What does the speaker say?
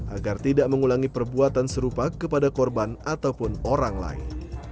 agar tidak mengulangi perbuatan serupa kepada korban ataupun orang lain